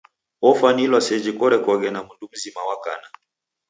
Ofwanilwa seji korekoghe na mndu mzima wa kana.